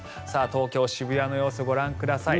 東京・渋谷の様子ご覧ください。